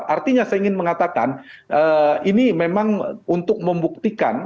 artinya saya ingin mengatakan ini memang untuk membuktikan